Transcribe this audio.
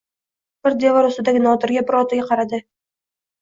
Bir devor ustidagi Nodirga, bir otaga qaradi